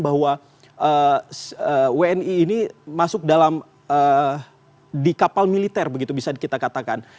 bahwa wni ini masuk dalam di kapal militer begitu bisa kita katakan